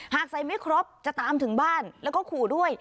หากใส่ไม่ครบจะตามถึงบ้านแล้วก็ขู่ด้วย